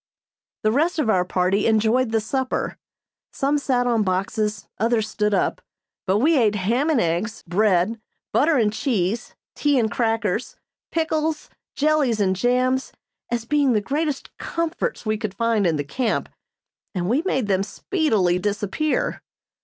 The rest of our party enjoyed the supper. Some sat on boxes, others stood up, but we ate ham and eggs, bread, butter and cheese, tea and crackers, pickles, jellies and jams, as being the greatest "comforts" we could find in the camp, and we made them speedily disappear.